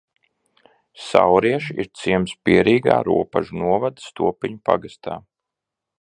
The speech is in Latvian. Saurieši ir ciems Pierīgā Ropažu novada Stopiņu pagastā.